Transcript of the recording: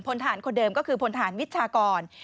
พลฐานคนเดิมก็คือพลฐานวิชากร